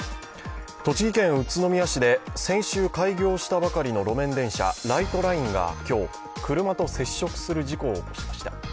栃木県宇都宮市で先週開業したばかりの路面電車、ライトラインが今日、車と接触する事故を起こしました。